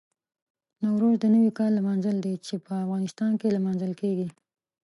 نوروز د نوي کال لمانځل دي چې په افغانستان کې لمانځل کېږي.